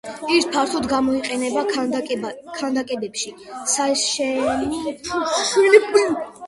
ის ფართოდ გამოიყენება ქანდაკებებში, საშენ მასალად, და სხვა მრავალ სფეროში.